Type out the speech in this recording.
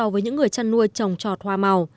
với những người chăn nuôi trồng trọt hoa màu